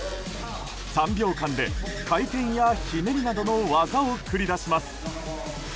３秒間で回転やひねりなどの技を繰り出します。